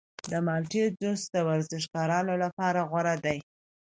د مالټې جوس د ورزشکارانو لپاره غوره دی.